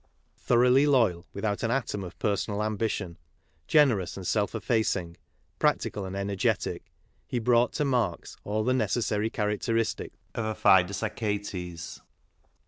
Thoroughly loyal, without an atom of personal ambition, generous, and self effacing, practical and energetic, he brought to Marx all the necessarj' characteristics of a Fidus Achates.